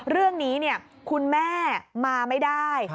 เรื่องนี้คุณแม่มาไม่ได้